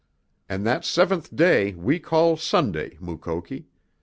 And that seventh day we call Sunday, Mukoki.